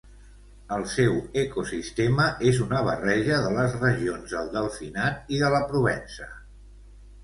El seu ecosistema és una barreja de les regions del Delfinat i de la Provença.